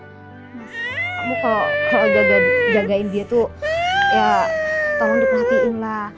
kamu kalau jagain dia tuh ya tolong nikmatiin lah